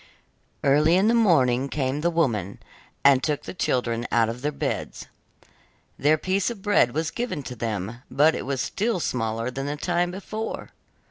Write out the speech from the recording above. Early in the morning came the woman, and took the children out of their beds. Their piece of bread was given to them, but it was still smaller than the time before.